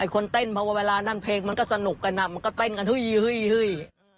คนเต้นเพราะว่าเวลานั้นเพลงมันก็สนุกกันมันก็เต้นกันเฮ้ย